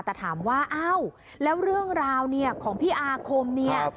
แต่ถามว่าอ้าวแล้วเรื่องราวเนี่ยของพี่อาคมเนี่ย